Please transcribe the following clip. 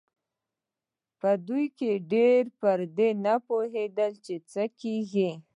په دوی کې ډېر پر دې نه پوهېدل چې څه کېږي.